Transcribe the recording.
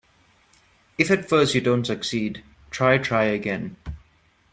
If at first you don't succeed, try, try again.